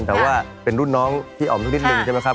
แต่ว่าเป็นรุ่นน้องพี่อ๋อมสักนิดนึงใช่ไหมครับ